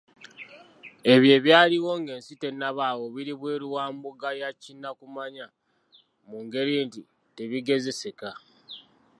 Ebyo ebyaliwo ng’ensi tennabaawo biri bweru wa mbuga ya kinnakumanya mu ngeri nti tebigezeseka.